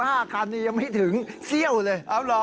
อ่ะ๓๕คันนี่ยังไม่ถึงเซี่ยวเลยอ้าวเหรอ